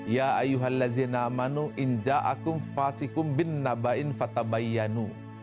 ya ayuhal lazinamanu inja'akum fasikum bin nabain fatabayanu